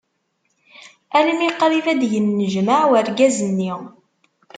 Almi qrib ad d-yennejmaɛ urgaz-nni.